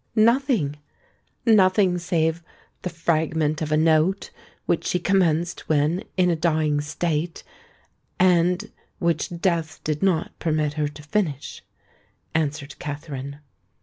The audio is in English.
"Nothing,—nothing save the fragment of a note which she commenced when in a dying state, and which death did not permit her to finish," answered Katherine.